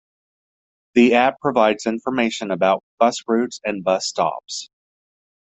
The app provides information about bus routes and bus stops.